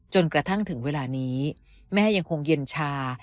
จนกระทั่งถึงเวลานี้แม่ยังคงเย็นชา